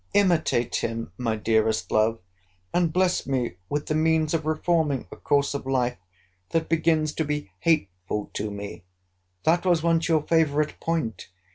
Imitate him, my dearest love, and bless me with the means of reforming a course of life that begins to be hateful to me. That was once your favourite point.